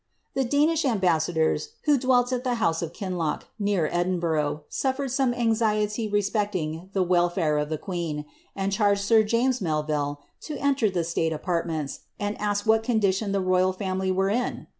The Danish ambassadors, who dwelt at the house of Kinloch, near Edinburgh, suffered some anxiety respecting the welfare of the queen, and charged sir James Melville, to enter tlie state apartments, and ask what condition the royal &mily were in